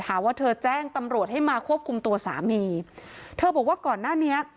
หาว่าเธอแจ้งตำรวจให้มาควบคุมตัวสามีเธอบอกว่าก่อนหน้านี้